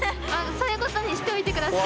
そういうことにしておいて下さい。